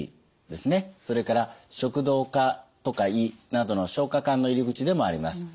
それから食道とか胃などの消化管の入り口でもあります。